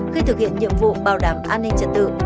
khi thực hiện nhiệm vụ bảo đảm an ninh trật tự